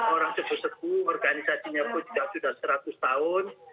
orang sepuh sepuh organisasinya pun sudah seratus tahun